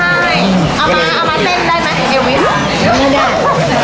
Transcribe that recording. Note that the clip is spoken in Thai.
เอามาเอามาเป็นได้ไหมเอวิส